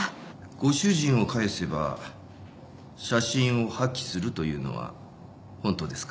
ご主人を返せば写真を破棄するというのは本当ですか？